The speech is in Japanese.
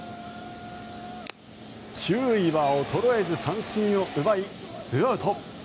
球威は衰えず三振を奪い、２アウト。